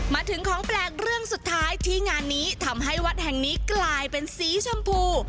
มาถึงของแปลกเรื่องสุดท้ายที่งานนี้ทำให้วัดแห่งนี้กลายเป็นสีชมพู